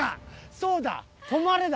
そうだ「止まれ」だ。